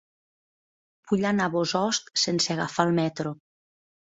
Vull anar a Bossòst sense agafar el metro.